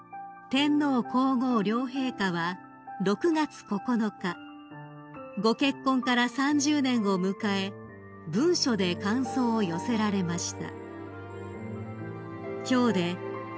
［天皇皇后両陛下は６月９日ご結婚から３０年を迎え文書で感想を寄せられました］